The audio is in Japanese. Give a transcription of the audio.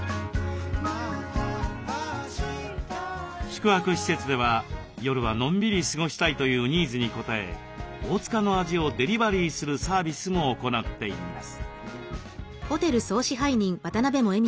宿泊施設では夜はのんびり過ごしたいというニーズに応え大塚の味をデリバリーするサービスも行っています。